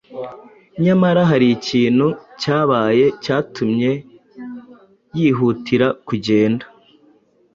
Nyamara hari ikintu cyabaye cyatumye yihutira kugenda.